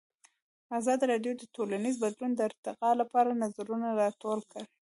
ازادي راډیو د ټولنیز بدلون د ارتقا لپاره نظرونه راټول کړي.